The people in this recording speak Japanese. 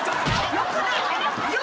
よくないよ。